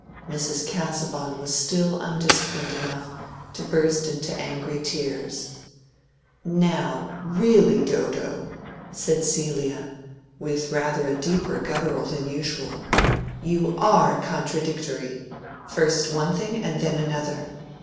Mrs. Casaubon was still undisciplined enough to burst into angry tears. "Now, really, Dodo," said Celia, with rather a deeper guttural than usual, "you are contradictory: first one thing and then another.